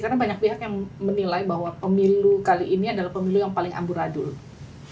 karena banyak pihak yang menilai bahwa pemilu kali ini adalah pemilu yang paling amburadul